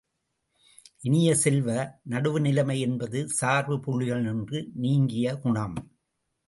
இனிய செல்வ, நடுவுநிலை என்பது சார்புகளினின்று நீங்கிய குணம்.